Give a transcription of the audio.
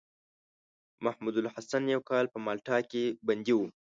محمودالحسن يو کال په مالټا کې بندي وو.